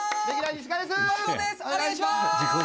お願いしまーす。